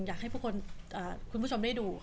อยากให้คุณผู้ชมได้ดู